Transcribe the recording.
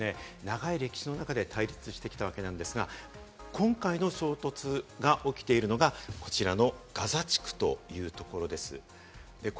イスラエルとパレスチナは長い歴史の中で対立してきたわけなんですが、今回の衝突が起きているのがこちらのガザ地区というところです。